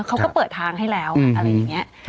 เขาก็เปิดทางให้แล้วอะไรอย่างนี้